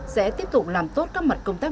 sẽ tiếp tục làm tốt các mặt công tác